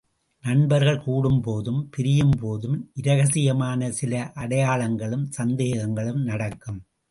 நண்பர்கள் கூடும்போதும் பிரியும் போதும் இரகசியமான சில அடையாளங்களும் சங்கேதங்களும் நடக்கும்.